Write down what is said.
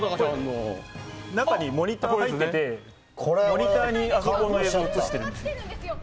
中にモニターが入っててモニターにあそこの映像を映しているんですよ。